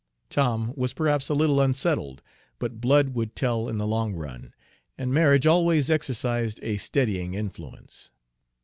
Tom was perhaps a little unsettled, but blood would tell in the long run, and marriage always exercised a steadying influence.